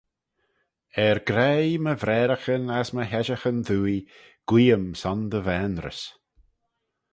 Er graih my vraaraghyn as my heshaghyn dooie: guee-ym son dty vaynrys.